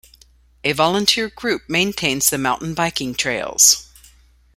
A volunteer group maintains the mountain biking trails.